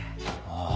ああ。